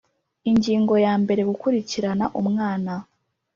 Ingingo yambere Gukurikirana umwana